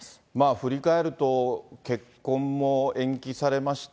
振り返ると、結婚も延期されました、